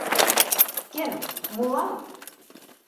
— Кем, мулламы?